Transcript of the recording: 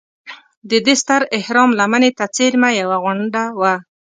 د دې ستر اهرام لمنې ته څېرمه یوه غونډه وه.